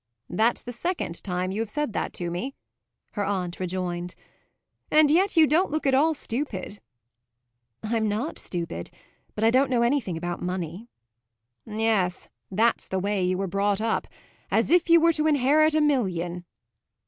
"That's the second time you have said that to me," her aunt rejoined. "And yet you don't look at all stupid." "I'm not stupid; but I don't know anything about money." "Yes, that's the way you were brought up as if you were to inherit a million.